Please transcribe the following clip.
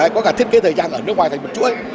có cả thiết kế thời gian ở nước ngoài thành một chuỗi